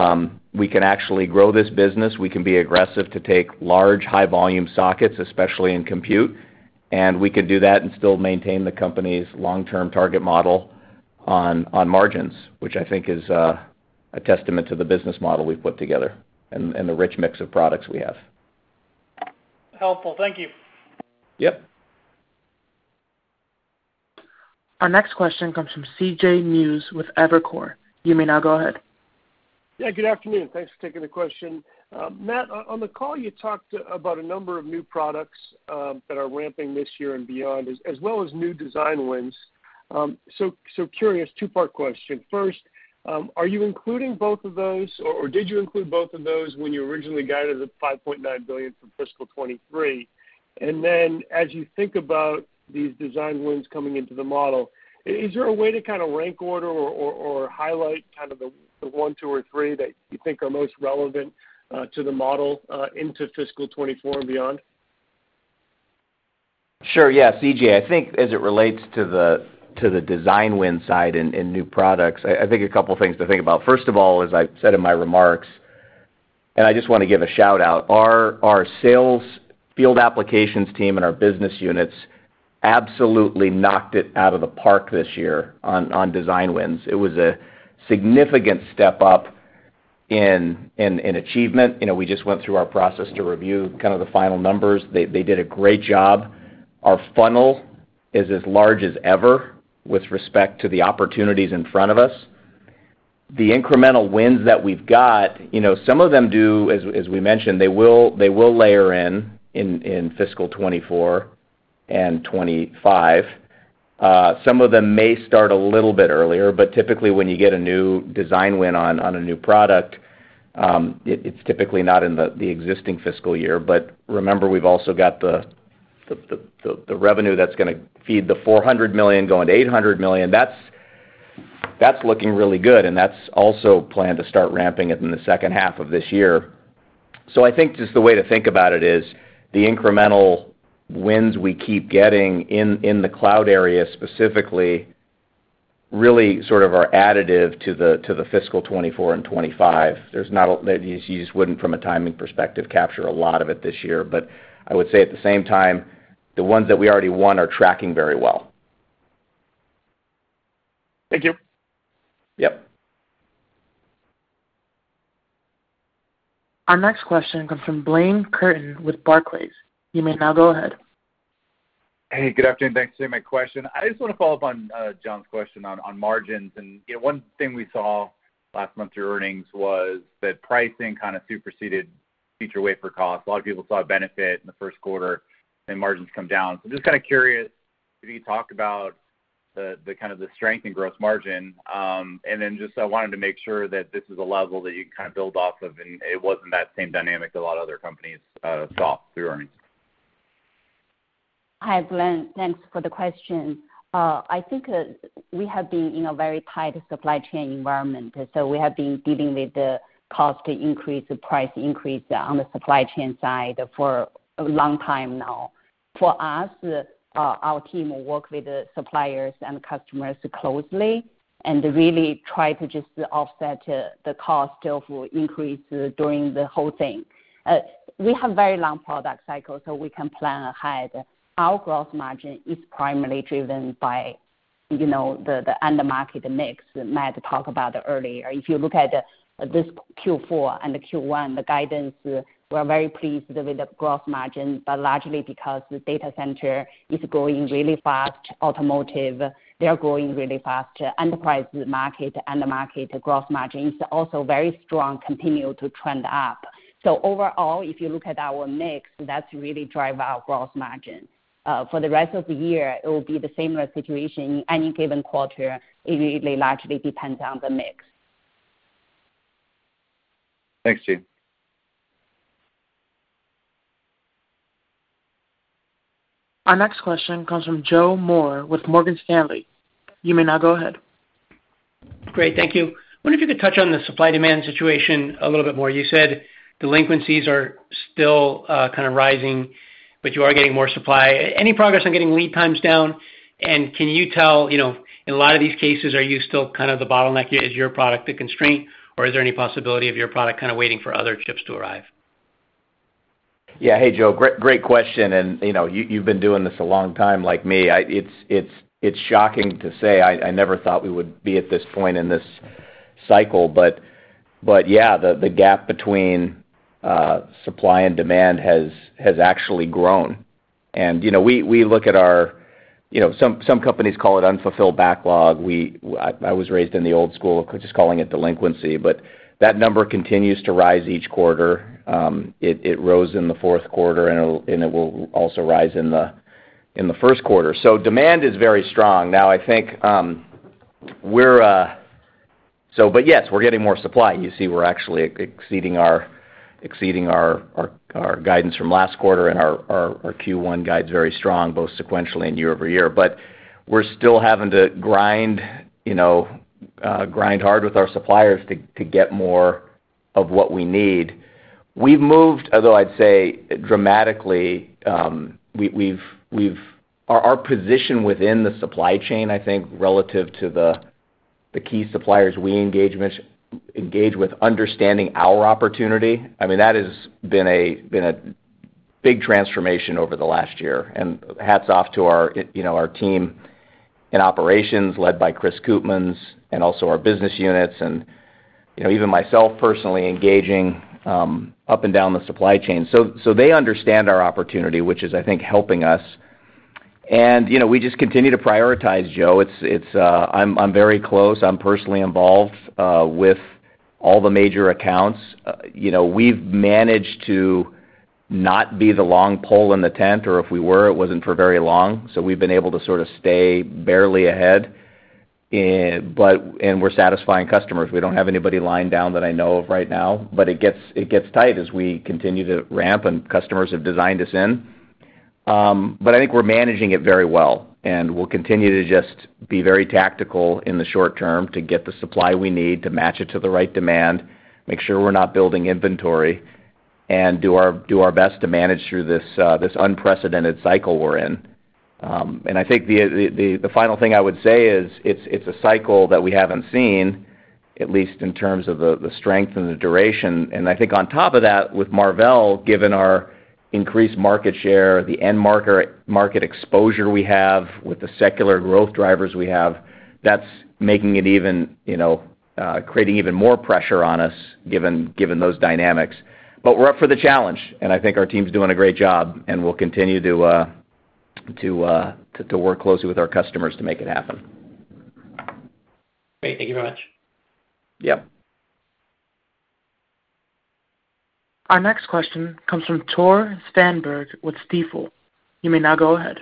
We can actually grow this business. We can be aggressive to take large, high volume sockets, especially in compute, and we can do that and still maintain the company's long-term target model on margins, which I think is a testament to the business model we've put together and the rich mix of products we have. Helpful. Thank you. Yep. Our next question comes from CJ Muse with Evercore ISI. You may now go ahead. Yeah, good afternoon. Thanks for taking the question. Matt, on the call, you talked about a number of new products that are ramping this year and beyond, as well as new design wins. So curious, two-part question. First, are you including both of those, or did you include both of those when you originally guided the $5.9 billion for fiscal 2023? And then as you think about these design wins coming into the model, is there a way to kind of rank order or highlight kind of the one, two or three that you think are most relevant to the model into fiscal 2024 and beyond? Sure, yeah, CJ. I think as it relates to the design win side in new products, I think a couple of things to think about. First of all, as I said in my remarks, I just want to give a shout-out. Our sales field applications team and our business units absolutely knocked it out of the park this year on design wins. It was a significant step up in achievement. You know, we just went through our process to review kind of the final numbers. They did a great job. Our funnel is as large as ever with respect to the opportunities in front of us. The incremental wins that we've got, you know, some of them do, as we mentioned, they will layer in fiscal 2024 and 2025. Some of them may start a little bit earlier, but typically, when you get a new design win on a new product, it's typically not in the existing fiscal year. Remember, we've also got the revenue that's gonna feed the $400 million to $800 million. That's looking really good. That's also planned to start ramping it in the second half of this year. I think just the way to think about it is the incremental wins we keep getting in the cloud area, specifically, really sort of are additive to the fiscal 2024 and 2025. You just wouldn't, from a timing perspective, capture a lot of it this year. I would say at the same time, the ones that we already won are tracking very well. Thank you. Yep. Our next question comes from Blayne Curtis with Barclays. You may now go ahead. Hey, good afternoon. Thanks for taking my question. I just want to follow up on John's question on margins. One thing we saw last month through earnings was that pricing kind of superseded future wafer costs. A lot of people saw a benefit in the first quarter and margins come down. Just kind of curious if you could talk about the kind of the strength in gross margin. I wanted to make sure that this is a level that you kind of build off of, and it wasn't that same dynamic a lot of other companies saw through earnings. Hi, Blaine. Thanks for the question. I think we have been in a very tight supply chain environment, so we have been dealing with the cost increase, the price increase on the supply chain side for a long time now. For us, our team work with the suppliers and customers closely and really try to just offset the cost of increase during the whole thing. We have very long product cycles, so we can plan ahead. Our growth margin is primarily driven by, you know, the end market mix Matt talked about earlier. If you look at this Q4 and the Q1, the guidance, we're very pleased with the growth margin, but largely because the data center is growing really fast. Automotive, they are growing really fast. Enterprise market, end market growth margin is also very strong, continue to trend up. Overall, if you look at our mix, that's really drive our growth margin. For the rest of the year, it will be the similar situation. Any given quarter, it really largely depends on the mix. Thanks, Jean. Our next question comes from Joseph Moore with Morgan Stanley. You may now go ahead. Great. Thank you. I wonder if you could touch on the supply-demand situation a little bit more. You said delinquencies are still kind of rising, but you are getting more supply. Any progress on getting lead times down? And can you tell, you know, in a lot of these cases, are you still kind of the bottleneck? Is your product the constraint, or is there any possibility of your product kind of waiting for other chips to arrive? Yeah. Hey, Joe. Great question, and you know, you've been doing this a long time, like me. It's shocking to say I never thought we would be at this point in this cycle. Yeah, the gap between supply and demand has actually grown. You know, we look at our, you know, some companies call it unfulfilled backlog. I was raised in the old school of just calling it delinquency, but that number continues to rise each quarter. It rose in the fourth quarter, and it will also rise in the first quarter. Demand is very strong. Now, I think, yes, we're getting more supply. You see we're actually exceeding our guidance from last quarter and our Q1 guide's very strong, both sequentially and year-over-year. We're still having to grind, you know, grind hard with our suppliers to get more of what we need. We've moved, although I'd say dramatically. Our position within the supply chain, I think, relative to the key suppliers we engage with understanding our opportunity, I mean, that has been a big transformation over the last year, and hats off to our, you know, our team in operations led by Chris Koopmans and also our business units and, you know, even myself personally engaging up and down the supply chain. They understand our opportunity, which is, I think, helping us. You know, we just continue to prioritize, Joe. It's I'm very close. I'm personally involved with all the major accounts. You know, we've managed to not be the long pole in the tent, or if we were, it wasn't for very long. So we've been able to sort of stay barely ahead. But we're satisfying customers. We don't have anybody lying down that I know of right now, but it gets tight as we continue to ramp and customers have designed us in. But I think we're managing it very well, and we'll continue to just be very tactical in the short term to get the supply we need to match it to the right demand, make sure we're not building inventory, and do our best to manage through this unprecedented cycle we're in. I think the final thing I would say is it's a cycle that we haven't seen, at least in terms of the strength and the duration. I think on top of that, with Marvell, given our increased market share, the market exposure we have with the secular growth drivers we have, that's making it even, you know, creating even more pressure on us given those dynamics. We're up for the challenge, and I think our team's doing a great job, and we'll continue to work closely with our customers to make it happen. Great. Thank you very much. Yeah. Our next question comes from Tore Svanberg with Stifel Financial Corp. You may now go ahead.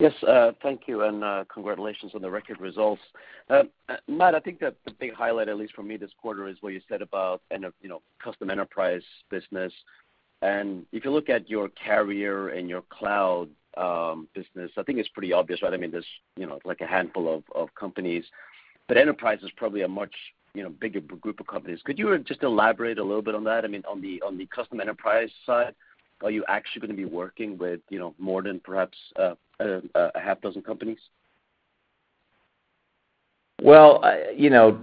Yes, thank you, and congratulations on the record results. Matt, I think the big highlight, at least for me this quarter, is what you said about end of, you know, custom enterprise business. If you look at your carrier and your cloud business, I think it's pretty obvious, right? I mean, there's, you know, like, a handful of companies, but enterprise is probably a much bigger group of companies. Could you just elaborate a little bit on that? I mean, on the custom enterprise side, are you actually gonna be working with more than perhaps a half dozen companies? Well, you know,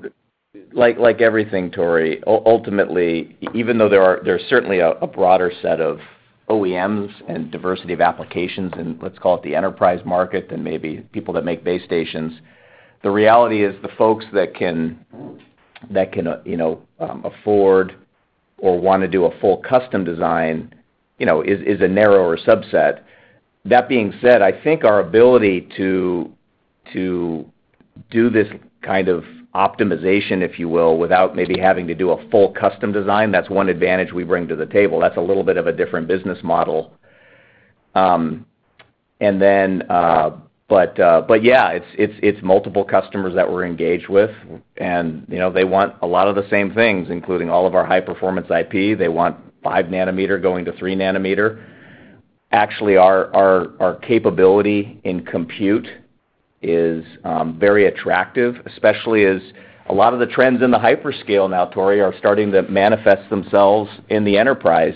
like everything, Tore, ultimately, even though there's certainly a broader set of OEMs and diversity of applications in, let's call it the enterprise market than maybe people that make base stations, the reality is the folks that can, you know, afford or wanna do a full custom design, you know, is a narrower subset. That being said, I think our ability to do this kind of optimization, if you will, without maybe having to do a full custom design, that's one advantage we bring to the table. That's a little bit of a different business model. Yeah, it's multiple customers that we're engaged with. You know, they want a lot of the same things, including all of our high-performance IP. They want 5 nm going to 3 nm. Actually, our capability in compute is very attractive, especially as a lot of the trends in the hyperscale now, Tore, are starting to manifest themselves in the enterprise.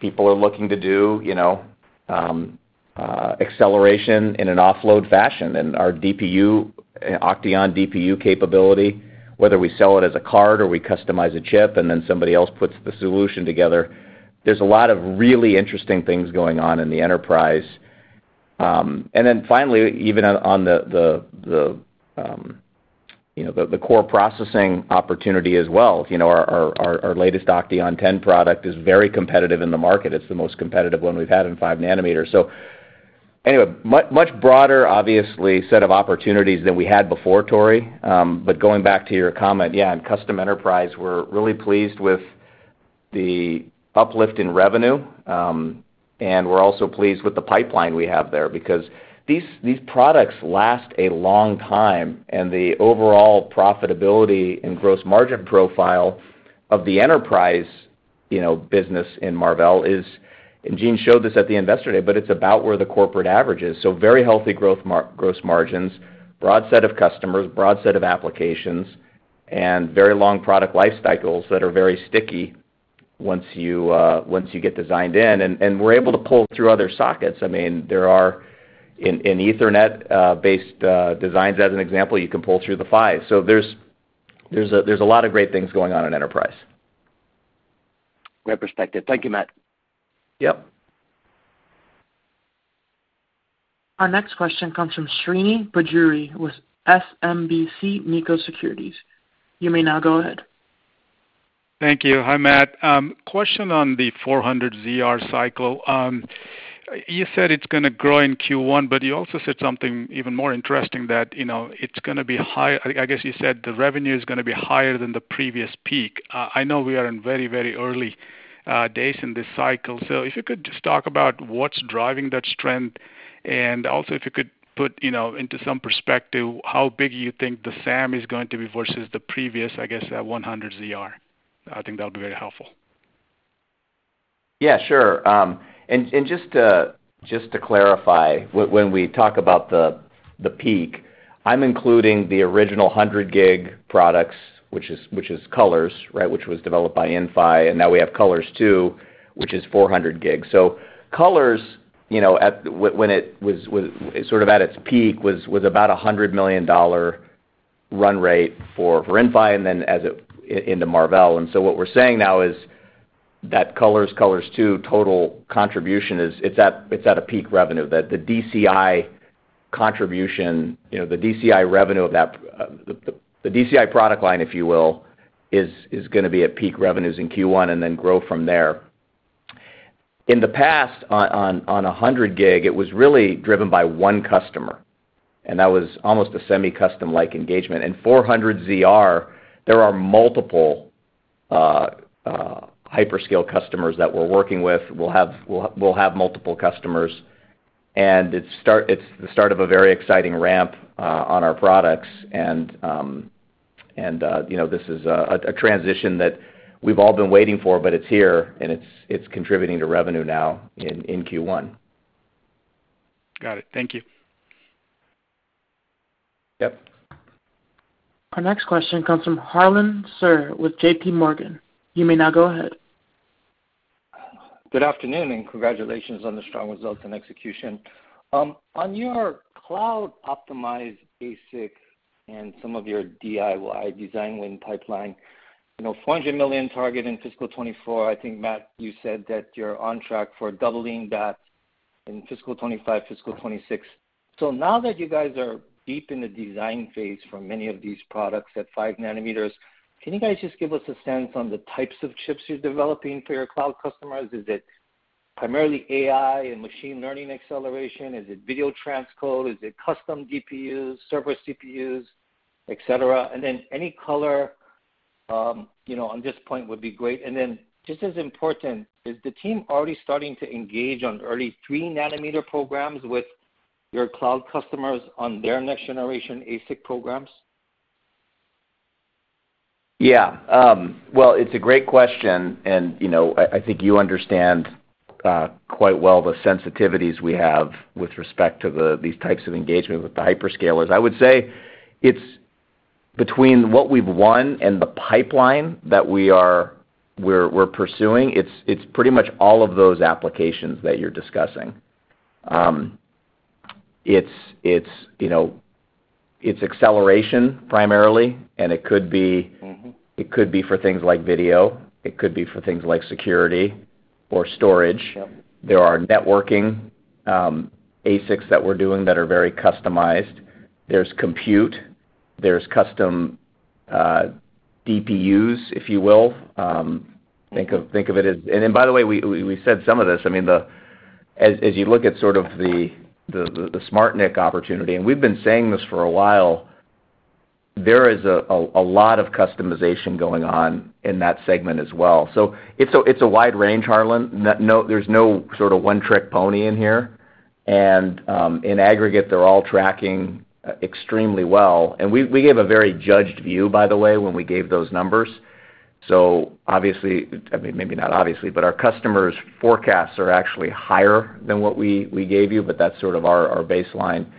People are looking to do, you know, acceleration in an offload fashion. Our DPU, OCTEON DPU capability, whether we sell it as a card or we customize a chip and then somebody else puts the solution together, there's a lot of really interesting things going on in the enterprise. Then finally, even on the core processing opportunity as well. You know, our latest OCTEON 10 product is very competitive in the market. It's the most competitive one we've had in 5 nm. Anyway, much broader, obviously, set of opportunities than we had before, Tore. But going back to your comment, yeah, on custom enterprise, we're really pleased with the uplift in revenue, and we're also pleased with the pipeline we have there because these products last a long time and the overall profitability and gross margin profile of the enterprise, you know, business in Marvell is, and Jean Hu showed this at the investor day, but it's about where the corporate average is. Very healthy growth gross margins, broad set of customers, broad set of applications, and very long product life cycles that are very sticky once you get designed in. We're able to pull through other sockets. I mean, there are in Ethernet based designs as an example, you can pull through the five. There's a lot of great things going on in enterprise. Great perspective. Thank you, Matt. Yep. Our next question comes from Srini Pajjuri with SMBC Nikko Securities. You may now go ahead. Thank you. Hi, Matt. Question on the 400 ZR cycle. You said it's gonna grow in Q1, but you also said something even more interesting that, you know, I guess, the revenue is gonna be higher than the previous peak. I know we are in very, very early days in this cycle. If you could just talk about what's driving that trend, and also if you could put, you know, into some perspective, how big you think the SAM is going to be versus the previous, I guess, 100 ZR. I think that'll be very helpful. Yeah, sure. Just to clarify when we talk about the peak, I'm including the original 100 gig products, which is COLORZ, right? Which was developed by Inphi, and now we have COLORZ II, which is 400 gig. COLORZ, you know, when it was sort of at its peak, was about a $100 million run rate for Inphi and then as it came into Marvell. What we're saying now is that COLORZ COLORZ II total contribution is it's at a peak revenue. The DCI contribution, you know, the DCI revenue of that, the DCI product line, if you will, is gonna be at peak revenues in Q1 and then grow from there. In the past, on 100 gig, it was really driven by one customer, and that was almost a semi-custom like engagement. In 400 ZR, there are multiple hyperscale customers that we're working with. We'll have multiple customers, and it's the start of a very exciting ramp on our products and, you know, this is a transition that we've all been waiting for, but it's here and it's contributing to revenue now in Q1. Got it. Thank you. Yep. Our next question comes from Harlan Sur with J.P. Morgan. You may now go ahead. Good afternoon, and congratulations on the strong results and execution. On your cloud optimized ASIC and some of your DIY design win pipeline, you know, $400 million target in fiscal 2024, I think, Matt, you said that you're on track for doubling that in fiscal 2025, fiscal 2026. Now that you guys are deep in the design phase for many of these products at 5 nm, can you guys just give us a sense on the types of chips you're developing for your cloud customers? Is it primarily AI and machine learning acceleration? Is it video transcode? Is it custom GPUs, server CPUs, et cetera? Then any color, you know, on this point would be great. Then just as important, is the team already starting to engage on early 3 nm programs with your cloud customers on their next generation ASIC programs? Yeah. Well, it's a great question and, you know, I think you understand quite well the sensitivities we have with respect to these types of engagement with the hyperscalers. I would say it's between what we've won and the pipeline that we're pursuing, it's pretty much all of those applications that you're discussing. It's, you know, it's acceleration primarily, and it could be It could be for things like video. It could be for things like security or storage. Yep. There are networking ASICs that we're doing that are very customized. There's compute, there's custom DPUs, if you will. Think of it as. By the way, we said some of this. I mean, as you look at sort of the smart NIC opportunity, and we've been saying this for a while, there is a lot of customization going on in that segment as well. It's a wide range, Harlan. No, there's no sort of one trick pony in here. In aggregate, they're all tracking extremely well. We gave a very judged view, by the way, when we gave those numbers. Obviously, I mean, maybe not obviously, but our customers' forecasts are actually higher than what we gave you, but that's sort of our baseline.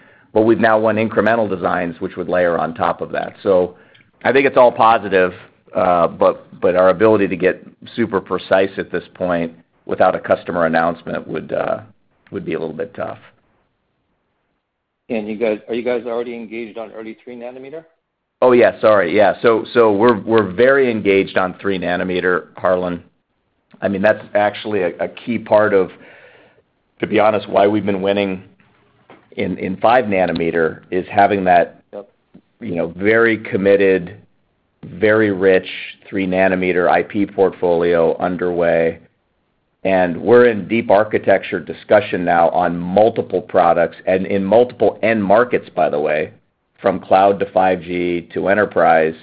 We've now won incremental designs, which would layer on top of that. I think it's all positive, but our ability to get super precise at this point without a customer announcement would be a little bit tough. Are you guys already engaged on early 3 nm? Oh, yeah, sorry. Yeah. We're very engaged on 3 nm, Harlan. I mean, that's actually a key part of, to be honest, why we've been winning in 5 nm is having that. Yep. You know, very committed, very rich 3 nm IP portfolio underway. We're in deep architecture discussion now on multiple products and in multiple end markets, by the way, from cloud to 5G to enterprise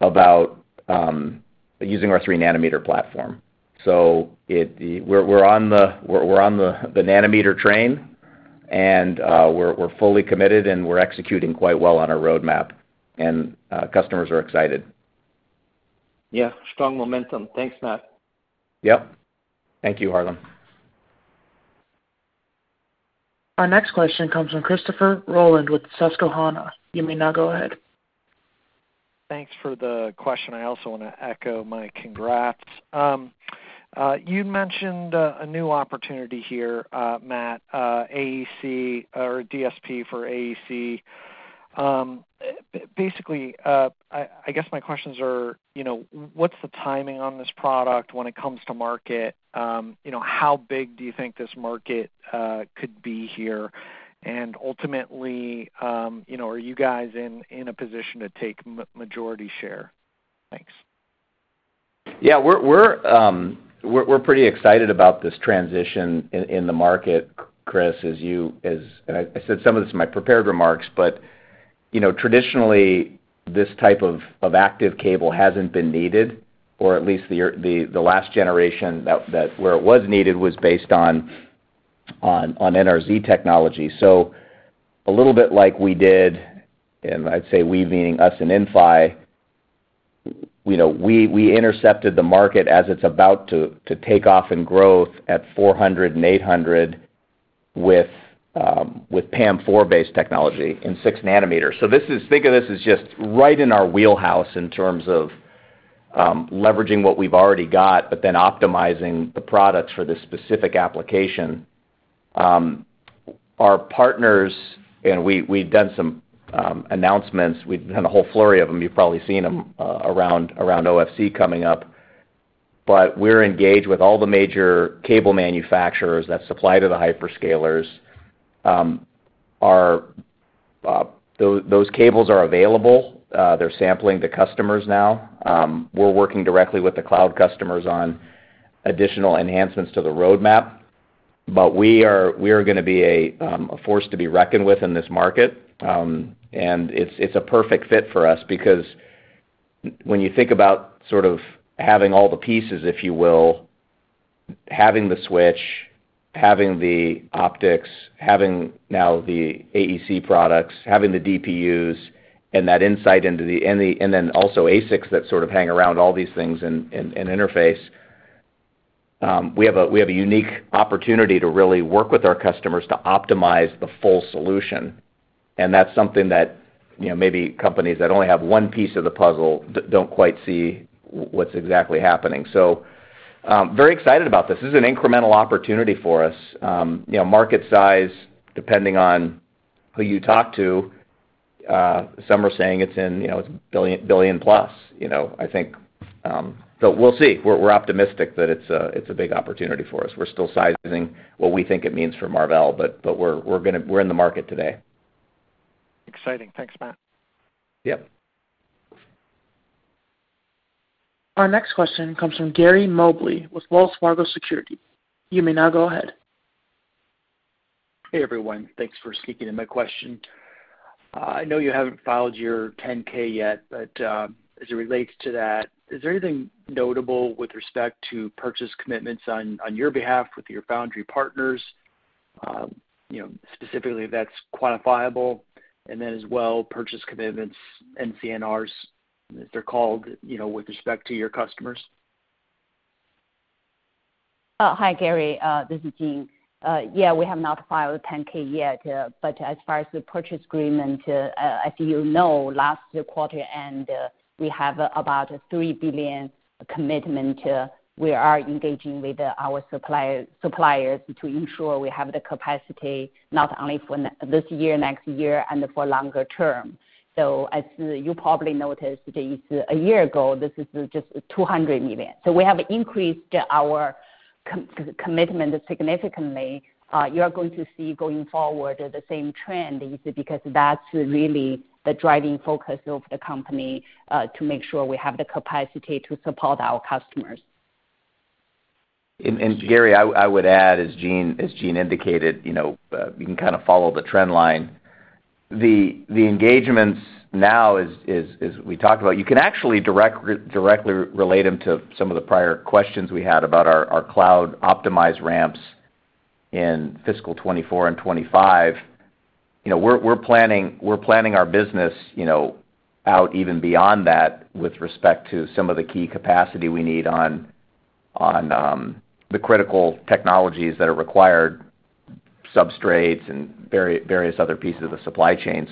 about using our 3 nm platform. We're on the nanometer train. We're fully committed, and we're executing quite well on our roadmap, and customers are excited. Yeah, strong momentum. Thanks, Matt. Yep. Thank you, Harlan. Our next question comes from Christopher Rolland with Susquehanna. You may now go ahead. Thanks for the question. I also wanna echo my congrats. You mentioned a new opportunity here, Matt, AEC or DSP for AEC. Basically, I guess my questions are, you know, what's the timing on this product when it comes to market? You know, how big do you think this market could be here? Ultimately, you know, are you guys in a position to take majority share? Thanks. Yeah. We're pretty excited about this transition in the market, Chris, as you. I said some of this in my prepared remarks, but you know, traditionally this type of active cable hasn't been needed or at least the last generation that where it was needed was based on NRZ technology. A little bit like we did, and I'd say we meaning us and Inphi, you know, we intercepted the market as it's about to take off in growth at 400 and 800 with PAM4 based technology in 6 nm. This is. Think of this as just right in our wheelhouse in terms of leveraging what we've already got, but then optimizing the products for this specific application. Our partners and we've done some announcements. We've done a whole flurry of them. You've probably seen them around OFC coming up. We're engaged with all the major cable manufacturers that supply to the hyperscalers. Those cables are available. They're sampling to customers now. We're working directly with the cloud customers on additional enhancements to the roadmap. We are gonna be a force to be reckoned with in this market. It's a perfect fit for us because when you think about sort of having all the pieces, if you will, having the switch, having the optics, having now the AEC products, having the DPUs, and that insight into and then also ASICs that sort of hang around all these things and interface, we have a unique opportunity to really work with our customers to optimize the full solution. That's something that, you know, maybe companies that only have one piece of the puzzle don't quite see what's exactly happening. Very excited about this. This is an incremental opportunity for us. You know, market size, depending on who you talk to, some are saying it's in, you know, it's billion plus, you know. I think, but we'll see. We're optimistic that it's a big opportunity for us. We're still sizing what we think it means for Marvell, but we're in the market today. Exciting. Thanks, Matt. Yep. Our next question comes from Gary Mobley with Wells Fargo Securities. You may now go ahead. Hey, everyone. Thanks for sneaking in my question. I know you haven't filed your Form 10-K yet, but as it relates to that, is there anything notable with respect to purchase commitments on your behalf with your foundry partners, you know, specifically that's quantifiable? And then as well, purchase commitments and NCNRs, as they're called, you know, with respect to your customers. Hi, Gary. This is Jean. Yeah, we have not filed Form 10-K yet. As far as the purchase agreement, as you know, last quarter end, we have about $3 billion commitment. We are engaging with our supplier, suppliers to ensure we have the capacity not only for this year, next year, and for longer term. As you probably noticed, this, a year ago, this is just $200 million. We have increased our commitment significantly. You're going to see going forward the same trend, because that's really the driving focus of the company, to make sure we have the capacity to support our customers. Gary, I would add, as Jean indicated, you know, you can kind of follow the trend line. The engagements now, as we talked about, you can actually directly relate them to some of the prior questions we had about our cloud optimized ramps in fiscal 2024 and 2025. You know, we're planning, you know, out even beyond that with respect to some of the key capacity we need on the critical technologies that are required, substrates and various other pieces of supply chain.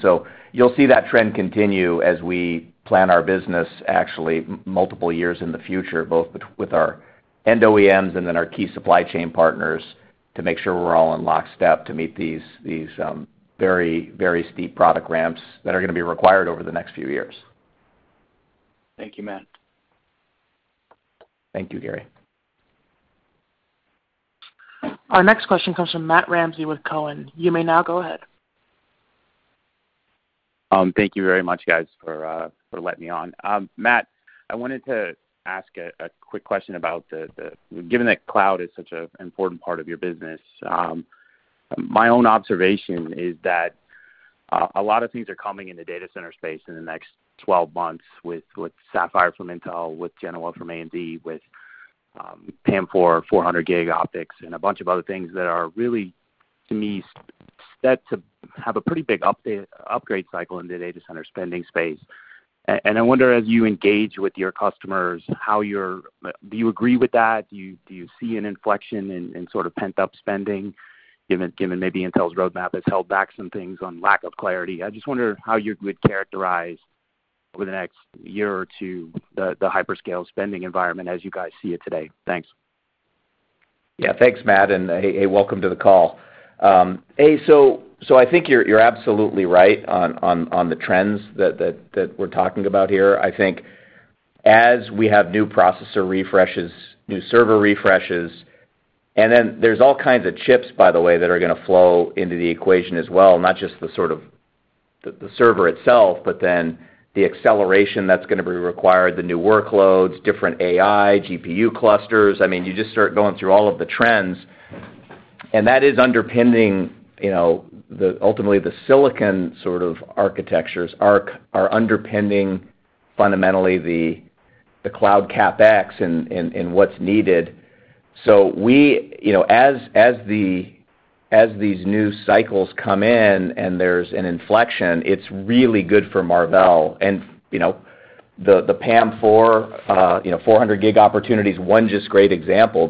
You'll see that trend continue as we plan our business actually multiple years in the future, both with our end OEMs and then our key supply chain partners to make sure we're all in lockstep to meet these very, very steep product ramps that are gonna be required over the next few years. Thank you, Matt. Thank you, Gary. Our next question comes from Matt Ramsay with TD Cowen. You may now go ahead. Thank you very much, guys, for letting me on. Matt, I wanted to ask a quick question about given that cloud is such an important part of your business, my own observation is that a lot of things are coming in the data center space in the next 12 months with Sapphire from Intel, with Genoa from AMD, with PAM4 400 gig optics and a bunch of other things that are really, to me, set to have a pretty big upgrade cycle in the data center spending space. I wonder as you engage with your customers, how do you agree with that? Do you see an inflection in sort of pent-up spending given maybe Intel's roadmap has held back some things on lack of clarity? I just wonder how you would characterize over the next year or two the hyperscale spending environment as you guys see it today. Thanks. Yeah. Thanks, Matt, and hey, welcome to the call. I think you're absolutely right on the trends that we're talking about here. I think as we have new processor refreshes, new server refreshes, and then there's all kinds of chips by the way that are gonna flow into the equation as well, not just the sort of the server itself, but then the acceleration that's gonna be required, the new workloads, different AI, GPU clusters. I mean, you just start going through all of the trends, and that is underpinning, you know, ultimately, the silicon sort of architectures are underpinning fundamentally the cloud CapEx and what's needed. We, you know, as these new cycles come in and there's an inflection, it's really good for Marvell. You know, the PAM4, you know, 400 gig opportunity is one just great example.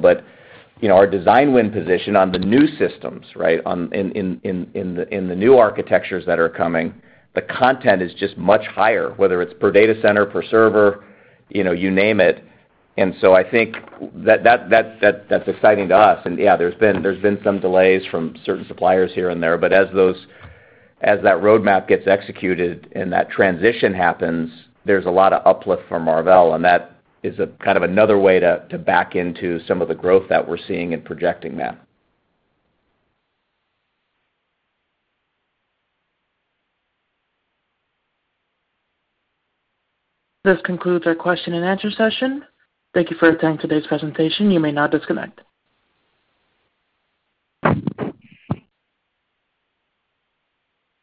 You know, our design win position on the new systems, right, in the new architectures that are coming, the content is just much higher, whether it's per data center, per server, you know, you name it. I think that's exciting to us. Yeah, there's been some delays from certain suppliers here and there, but as that roadmap gets executed and that transition happens, there's a lot of uplift for Marvell, and that is a kind of another way to back into some of the growth that we're seeing and projecting, Matt. This concludes our question and answer session. Thank you for attending today's presentation. You may now disconnect.